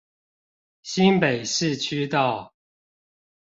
新北市區道